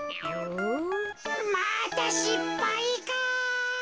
またしっぱいか。